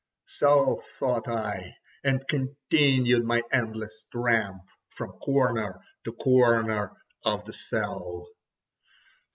So thought I, and continued my endless tramp from corner to corner of the cell.